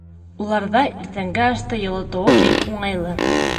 Уларҙа иртәнге ашты йылытыуы бик уңайлы.